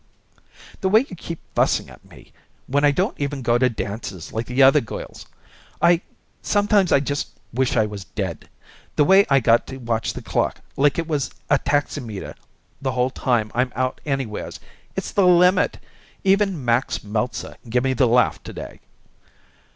"The way you keep fussing at me, when I don't even go to dances like the other girls! I sometimes I just wish I was dead. The way I got to watch the clock like it was a taximeter the whole time I'm out anywheres. It's the limit. Even Max Meltzer gimme the laugh to day."